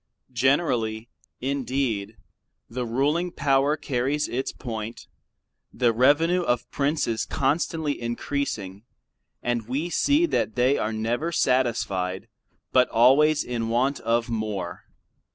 Generally indeed the ruling power carries its point, the revenues of princes constantly increasing, and we see that they are never satisfied, but always in want of more.